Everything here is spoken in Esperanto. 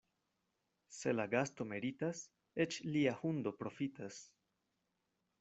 Se la gasto meritas, eĉ lia hundo profitas.